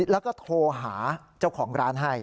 แล้วก็โทรหาเจ้าของร้านให้